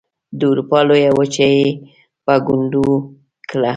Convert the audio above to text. د اروپا لویه وچه یې په ګونډو کړه.